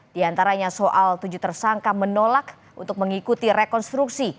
di antaranya soal tujuh tersangka menolak untuk mengikuti rekonstruksi